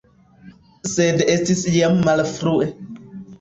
Sed estis jam malfrue.